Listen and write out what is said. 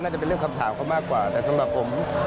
น่าจะเป็นเรื่องคำถามเขามากกว่าแต่สำหรับผม